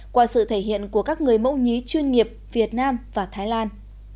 qua sự thể hiện của các người mẫu nhí chuyên nghiệp việt nam và thái lan